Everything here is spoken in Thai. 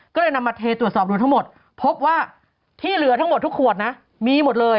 ก็เลยนำมาเทตรวจสอบดูทั้งหมดพบว่าที่เหลือทั้งหมดทุกขวดนะมีหมดเลย